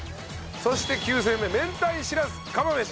そして９戦目明太しらす釜飯。